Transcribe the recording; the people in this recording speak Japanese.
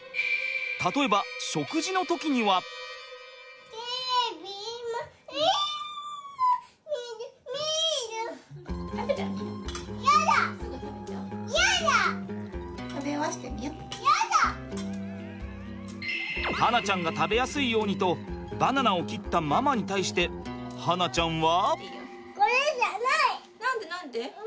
例えば巴梛ちゃんが食べやすいようにとバナナを切ったママに対して巴梛ちゃんは。